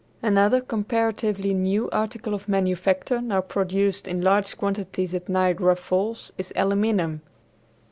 Another comparatively new article of manufacture now produced in large quantities at Niagara Falls is aluminum.